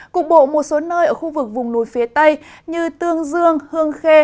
cục bộ một số nơi ở khu vực vùng núi phía tây như tương dương hương khê